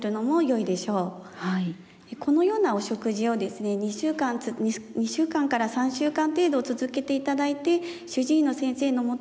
このようなお食事をですね２週間から３週間程度続けて頂いて主治医の先生のもと許可があったら